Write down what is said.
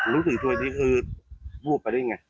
รู้สึกตัวนี้คือวูบไปได้ไง